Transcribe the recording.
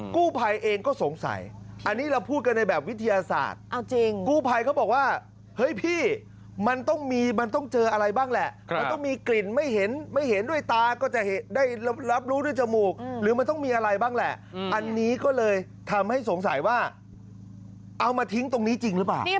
กู้ภัยเองก็สงสัยอันนี้เราพูดกันในแบบวิทยาศาสตร์กู้ภัยเขาบอกว่าเฮ้ยพี่มันต้องมีมันต้องเจออะไรบ้างแหละมันต้องมีกลิ่นไม่เห็นไม่เห็นด้วยตาก็จะได้รับรู้ด้วยจมูกหรือมันต้องมีอะไรบ้างแหละอันนี้ก็เลยทำให้สงสัยว่าเอามาทิ้งตรงนี้จริงหรือเปล่า